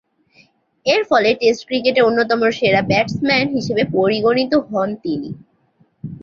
এরফলে টেস্ট ক্রিকেটে অন্যতম সেরা ব্যাটসম্যান হিসেবে পরিগণিত হন তিনি।